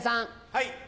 はい。